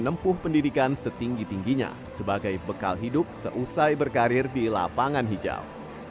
menempuh pendidikan setinggi tingginya sebagai bekal hidup seusai berkarir di lapangan hijau